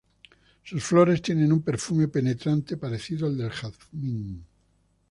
Sus flores tienen un perfume penetrante parecido al del jazmín.